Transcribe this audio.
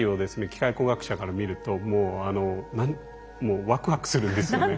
機械工学者から見るともうワクワクするんですよね。